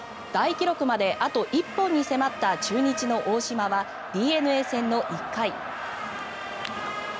大記録まであと１本に迫った中日の大島はＤｅＮＡ戦の１回。